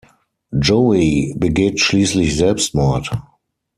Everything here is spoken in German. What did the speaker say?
Joey begeht schließlich Selbstmord.